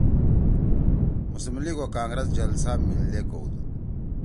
مسلم لیگ او کانگرس جلسہ میِلدے کؤدُود